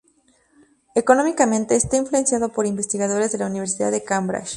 Económicamente, está influenciado por investigadores de la Universidad de Cambridge.